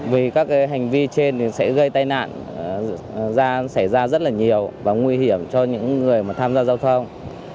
vì các hành vi trên thì sẽ gây tai nạn xảy ra rất là nhiều và nguy hiểm cho những người mà tham gia giao thông